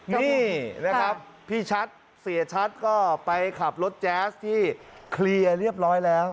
นี่นะครับพี่ชัดเสียชัดก็ไปขับรถแจ๊สที่เคลียร์เรียบร้อยแล้ว